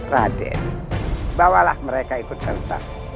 raden bawalah mereka ikut serta